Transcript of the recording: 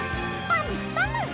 パムパム！